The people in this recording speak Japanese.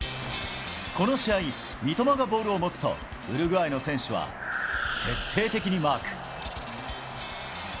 この試合、三笘がボールを持つと、ウルグアイの選手は徹底的にマーク。